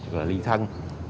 và ly thân